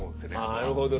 あなるほど。